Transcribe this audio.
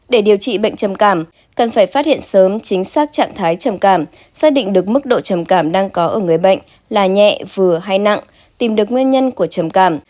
để điều trị bệnh trầm cảm cần phải phát hiện sớm chính xác trạng thái trầm cảm xác định được mức độ trầm cảm đang có ở người bệnh là nhẹ vừa hay nặng tìm được nguyên nhân của trầm cảm